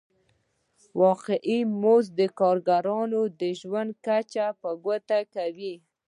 واقعي مزد د کارګرانو د ژوند کچه په ګوته کوي